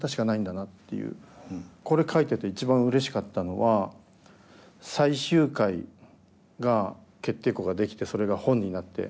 これ書いてて一番うれしかったのは最終回が決定稿が出来てそれが本になって。